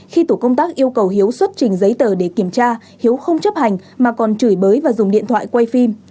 khi tổ công tác yêu cầu hiếu xuất trình giấy tờ để kiểm tra hiếu không chấp hành mà còn chửi bới và dùng điện thoại quay phim